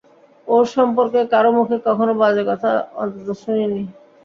ওর সম্পর্কে কারো মুখে কখনও বাজে কথা অন্তত শুনিনি।